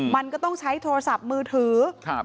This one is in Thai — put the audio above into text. มันก็ต้องใช้โทรศัพท์มือถือ